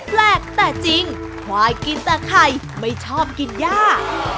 แปลกแต่จริงควายกินแต่ไข่ไม่ชอบกินย่า